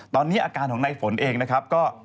ตอนนี้อาการของในฝนเองนะครับก็